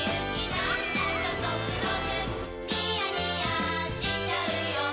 なんだかゾクゾクニヤニヤしちゃうよ